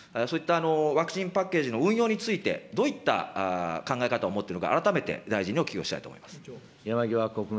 そういったワクチンパッケージの運用について、どういった考え方を持っているか、改めて大臣にお聞きをしたいと思います。